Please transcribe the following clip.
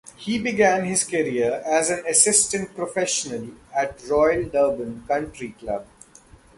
He began his career as an assistant professional at Royal Durban Country Club.